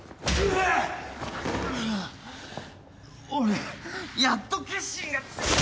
俺やっと決心がつい。